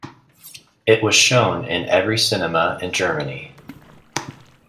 It was shown in every cinema in Germany.